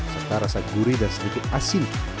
serta rasa gurih dan sedikit asin